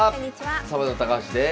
サバンナ高橋です。